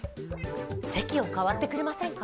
席をかわってくれませんか。